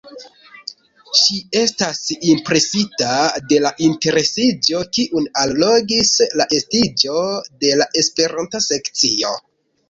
Ŝi estas impresita de la interesiĝo, kiun allogis la estiĝo de la Esperanta sekcio.